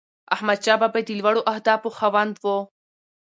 احمدشاه بابا د لوړو اهدافو خاوند و.